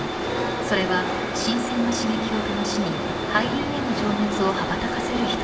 ［それは新鮮な刺激を楽しみ俳優への情熱を羽ばたかせるひととき］